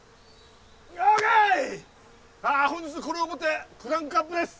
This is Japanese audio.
さあ本日これをもってクランクアップです！